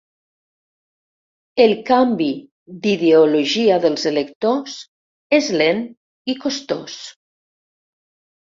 El canvi d'ideologia dels electors és lent i costós.